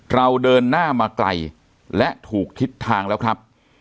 เราเดินหน้ามาไกลและถูกทิศทางแล้วครับ